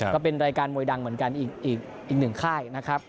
ก็เป็นรายการมวยดังเหมือนกันอีกหนึ่งค่ายนะครับ